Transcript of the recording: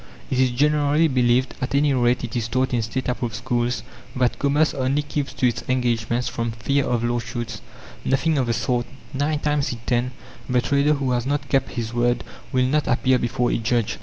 It is generally believed, at any rate it is taught in State approved schools, that commerce only keeps to its engagements from fear of lawsuits. Nothing of the sort; nine times in ten the trader who has not kept his word will not appear before a judge.